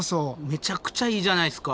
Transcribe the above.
めちゃくちゃいいじゃないですか。